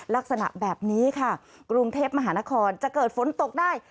ลักษณะแบบนี้ค่ะกรุงเทพมหานครจะเกิดฝนตกได้